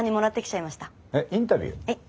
はい。